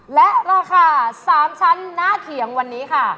และราคา๓ชั้นหน้าเขียงวันนี้ค่ะ